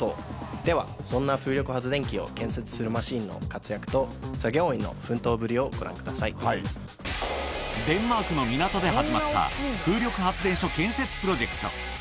では、そんな風力発電機を建設するマシンの活躍と、デンマークの港で始まった、風力発電所建設プロジェクト。